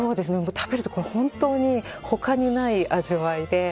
食べると本当に他にない味わいで。